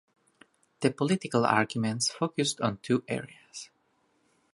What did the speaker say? The political arguments focused on two areas.